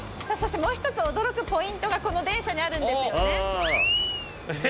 もう一つ驚くポイントがこの電車にあるんですよねえっ